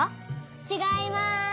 ちがいます。